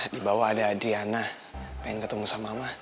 di bawah ada adriana pengen ketemu sama mama